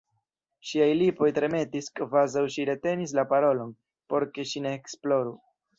Ŝiaj lipoj tremetis, kvazaŭ ŝi retenis la parolon, por ke ŝi ne ekploru.